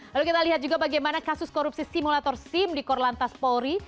lalu kita lihat juga bagaimana kasus korupsi simulator sim di korlantas polri